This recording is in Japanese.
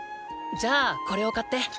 じゃあこれを買って。